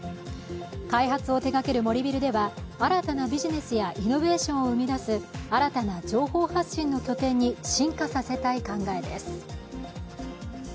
開発を手がける森ビルでは、新たなビジネスやイノベーションを生み出す新たな情報発信の拠点に進化させたい考えです。